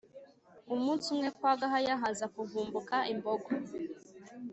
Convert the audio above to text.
Umunsi umwe kwa Gahaya haza kuvumbuka imbogo